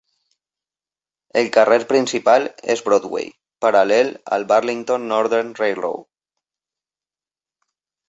El carrer principal és Broadway, paral·lel al Burlington Northern Railroad.